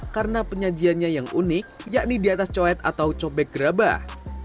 karena penyajiannya yang unik yakni di atas cowet atau cobek gerabah